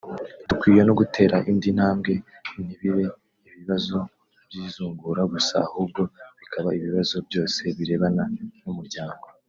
Dukwiye no gutera indi ntambwe ntibibe ibibazo by’izungura gusa ahubwo bikaba ibibazo byose birebana n’umuryango